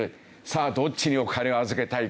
さあどっちにお金を預けたいか？